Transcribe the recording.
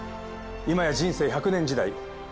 いまや人生１００年時代。